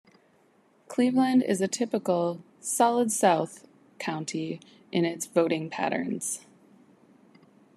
Cleveland is a typical "Solid South" county in its voting patterns.